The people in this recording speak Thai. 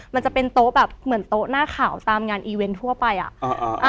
มันจะเป็นโต๊ะแบบเหมือนโต๊ะหน้าขาวตามงานอีเวนต์ทั่วไปอ่ะ